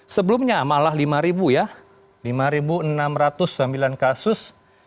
sebelumnya malah lima ya lima enam ratus sembilan kasus